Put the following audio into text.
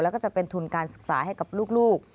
แล้วก็จะเป็นทุนการศึกษาให้กับลูก